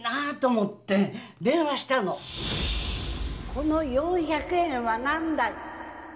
この４００円は何だい？